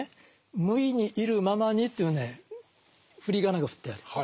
「むいにいるままに」というね振り仮名が振ってあります。